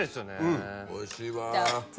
うんおいしいわ。